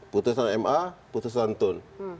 putusan ma putusan tun